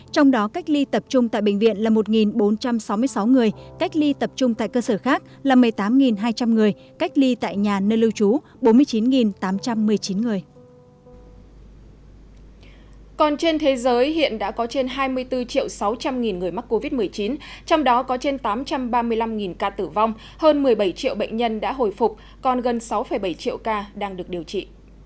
trong đó cách ly tập trung tại bệnh viện là một bốn trăm sáu mươi sáu người cách ly tập trung tại cơ sở khác là một mươi tám hai trăm linh người cách ly tại nhà nơi lưu trú là bốn mươi chín tám trăm một mươi chín người